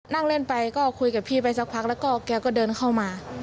นั่งเล่นไปก็คุยกับพี่ไปสักพักแล้วก็แกก็เดินเข้ามา